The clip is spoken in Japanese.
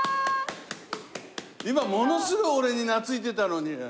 今ものすごい俺に懐いてたのに。